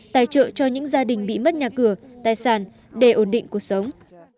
tài trợ cho những gia đình bị mất nhà cửa tài sản để ổn định cuộc sống